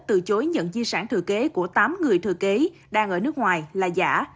từ chối nhận di sản thừa kế của tám người thừa kế đang ở nước ngoài là giả